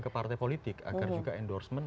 ke partai politik agar juga endorsement